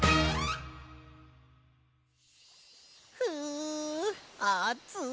うあつい。